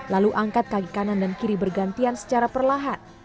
lalu angkat kaki kanan dan kiri bergantian secara perlahan